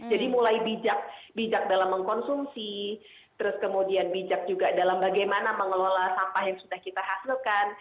jadi mulai bijak bijak dalam mengkonsumsi terus kemudian bijak juga dalam bagaimana mengelola sampah yang sudah kita hasilkan